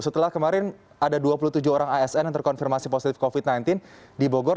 setelah kemarin ada dua puluh tujuh orang asn yang terkonfirmasi positif covid sembilan belas di bogor